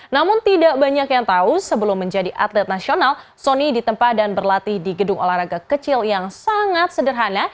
namun tidak banyak yang tahu sebelum menjadi atlet nasional sony ditempa dan berlatih di gedung olahraga kecil yang sangat sederhana